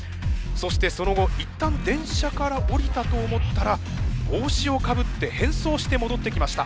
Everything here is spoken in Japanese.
そしてその後一旦電車から降りたと思ったら帽子をかぶって変装して戻ってきました。